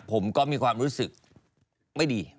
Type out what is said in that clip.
ผมก็มีความรู้สึกไม่ดี